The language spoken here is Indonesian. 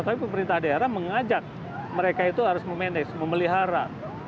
tapi pemerintah daerah mengajak mereka itu harus memanage memelihara